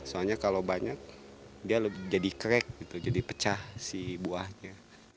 soalnya kalau banyak dia jadi krek gitu jadi pecah si buahnya